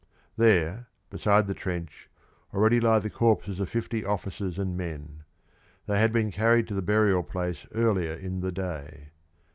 There, beside the trench, already lie the corpses of fifty officers and men. They had been carried to the burial place earlier in the day.